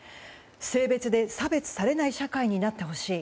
性別で差別されない社会になってほしい。